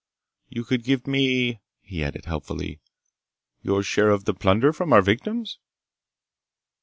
You could give me," he added helpfully, "your share of the plunder from our victims."